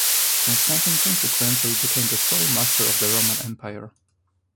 Constantine consequently became the sole master of the Roman Empire.